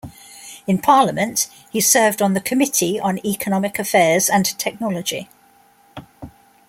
In parliament, he served on the Committee on Economic Affairs and Technology.